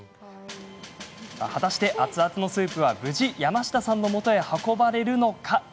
果たして熱々のスープは無事、山下さんのもとへ運ばれるのか。